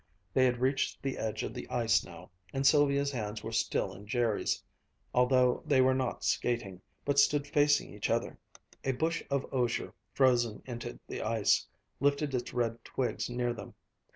They had reached the edge of the ice now, and Sylvia's hands were still in Jerry's, although they were not skating, but stood facing each other. A bush of osier, frozen into the ice, lifted its red twigs near them.